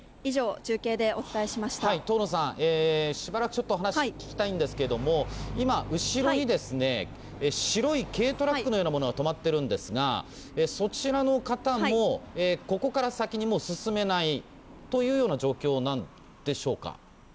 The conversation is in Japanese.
遠野さん、しばらくちょっと話聞きたいんですけれども、今、後ろに、白い軽トラックのようなものが止まってるんですが、そちらの方も、ここから先にもう進めないというような状況なんでしょうか。